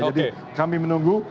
jadi kami menunggu